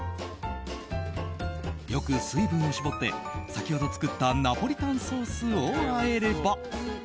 よく水分を絞って先ほど作ったナポリタンソースをあえれば。